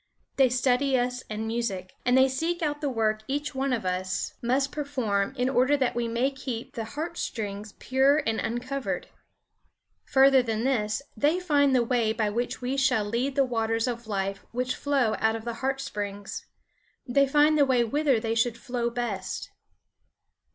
They study us and music, and they seek out the work each one of us must perform in order that we may keep the heart springs pure and uncovered. Further than this, they find the way by which we shall lead the waters of life which flow out of the heart springs. They find the way whither they should flow best.